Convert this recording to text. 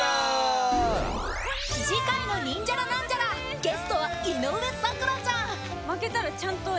次回のニンジャラ・ナンジャラゲストは井上咲楽ちゃん